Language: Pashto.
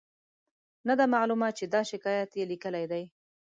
نه ده معلومه چې دا شکایت یې لیکلی دی.